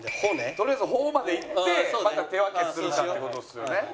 とりあえず「ほ」までいってまた手分けするかっていう事ですよね。